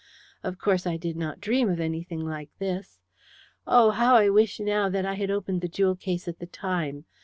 Of course, I did not dream of anything like this. Oh, how I wish now that I had opened the jewel case at the time.